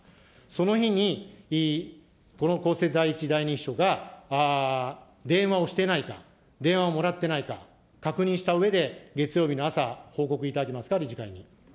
その日にこの公設第１、第２秘書が、電話をしてないか、電話をもらってないか、確認したうえで、月曜日の朝、報告いただけますか、理事会に。